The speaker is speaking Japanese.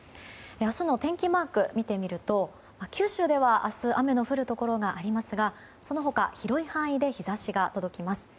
明日の天気マーク見てみると九州では明日雨の降るところがありますがその他、広い範囲で日差しが届きます。